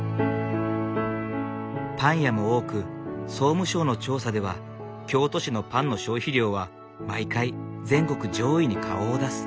パン屋も多く総務省の調査では京都市のパンの消費量は毎回全国上位に顔を出す。